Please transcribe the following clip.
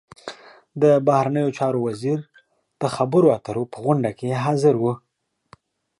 د بهرنیو چارو وزیر د خبرو اترو په غونډه کې حاضر و.